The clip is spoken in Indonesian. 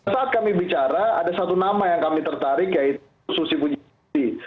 saat kami bicara ada satu nama yang kami tertarik yaitu susi puji